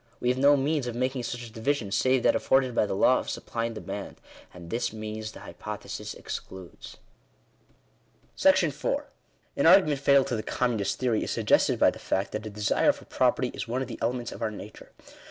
We have no means of making such a division save that afforded by the law of supply and demand, and this means, the hypothesis excludes*. §4. An argument fatal to the communist theory, is suggested by the fact, that a desire for property is one of the elements of our nature.